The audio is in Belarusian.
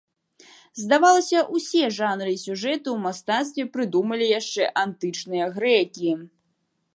Здавалася, усе жанры і сюжэты ў мастацтве прыдумалі яшчэ антычныя грэкі.